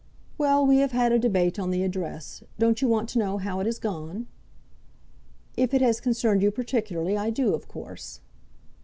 "Well, we have had a debate on the Address. Don't you want to know how it has gone?" "If it has concerned you particularly, I do, of course."